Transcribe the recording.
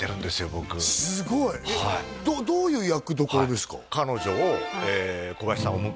僕すごいどういう役どころですか？